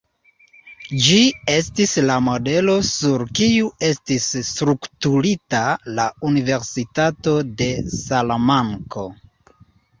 Ĝi estis la modelo sur kiu estis strukturita la Universitato de Salamanko.